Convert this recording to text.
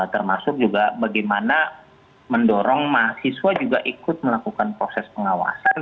termasuk juga bagaimana mendorong mahasiswa juga ikut melakukan proses pengawasan